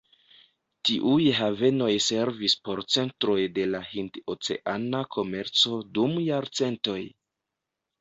Tiuj havenoj servis por centroj de la hind-oceana komerco dum jarcentoj.